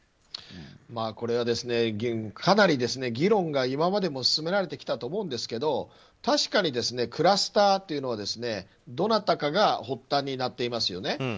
これはかなり議論が今までも進められていたと思うんですが確かに、クラスターはどなたかが発端になっていますよね。